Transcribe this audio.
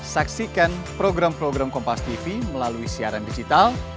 saksikan program program kompastv melalui siaran digital